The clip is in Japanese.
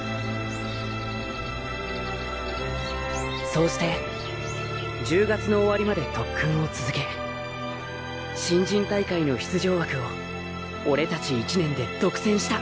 そうして１０月の終わりまで特訓を続け新人大会の出場枠を俺達１年で独占した